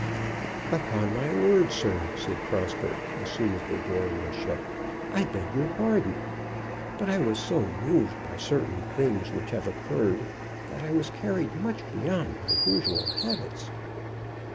"Upon my word, sir," said Prosper, as soon as the door was shut, "I beg your pardon. But I was so moved by certain things which have occurred that I was carried much beyond my usual habits."